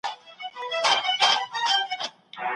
د املا تمرین د حافظې د پیاوړتیا لپاره غوره دی.